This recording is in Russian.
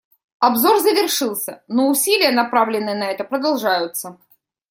Обзор завершился, но усилия, направленные на это, продолжаются.